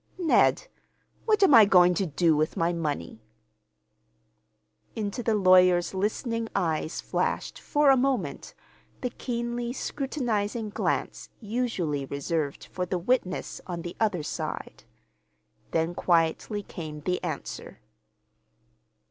"Ned, what am I going to do with my money?" Into the lawyer's listening eyes flashed, for a moment, the keenly scrutinizing glance usually reserved for the witness on the other side. Then quietly came the answer.